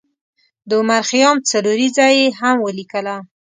د عمر خیام څلوریځه یې هم ولیکله.